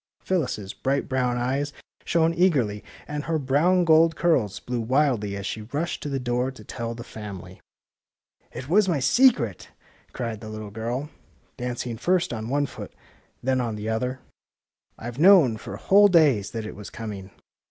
Phyllis 's bright brown eyes shone eagerly, and her brown gold curls blew wildly as she rushed to the door to tell the family. ^^ It was my secret! " cried the little girl, dancing first on one foot and then on the other. IVe known for whole days that it was com ing!